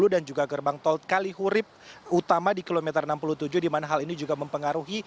dan juga gerbang tol kalihurip utama di kilometer enam puluh tujuh dimana hal ini juga mempengaruhi